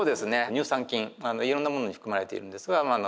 乳酸菌いろんなものに含まれているんですがまあ